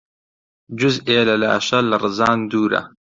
جوزئێ لە لاشە لە ڕزان دوورە